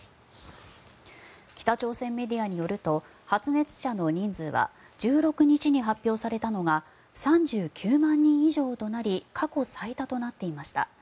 北朝鮮メディアによると発熱者の人数は１６日に発表されたのが３９万人以上となり過去最多となっていました。